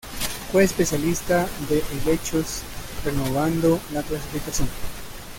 Fue especialista de helechos, renovando la clasificación.